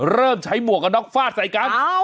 เริ่มใช้หมวกกันน็อกฟาดใส่กัน